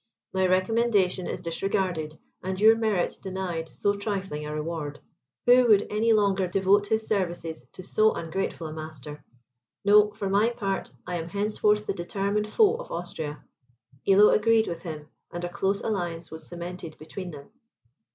My recommendation is disregarded, and your merit denied so trifling a reward! Who would any longer devote his services to so ungrateful a master? No, for my part, I am henceforth the determined foe of Austria." Illo agreed with him, and a close alliance was cemented between them.